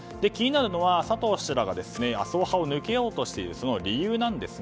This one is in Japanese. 気になるのは佐藤氏らが麻生派を抜けようとしているその理由。